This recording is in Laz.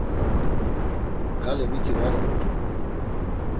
Gale miti var ort̆u.